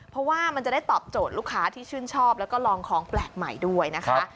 เพราะว่ามันจะได้ตอบโจทย์ลูกค้าที่ชื่นชอบแล้วก็ลองของแปลกใหม่ด้วยนะคะ